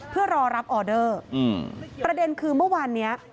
เพื่อรอรับออเดอร์ประเด็นคือเมื่อวานเนี้ย